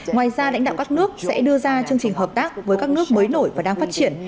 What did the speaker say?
ngoài ra lãnh đạo các nước sẽ đưa ra chương trình hợp tác với các nước mới nổi và đang phát triển